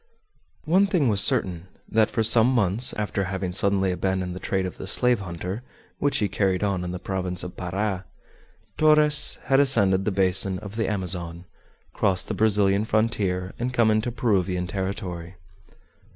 One thing was certain, that for some months, after having suddenly abandoned the trade of the slave hunter, which he carried on in the province of Para, Torres had ascended the basin of the Amazon, crossed the Brazilian frontier, and come into Peruvian territory.